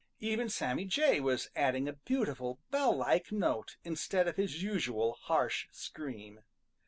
Even Sammy Jay was adding a beautiful, bell like note instead of his usual harsh scream.